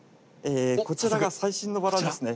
こちらが最新のバラですね。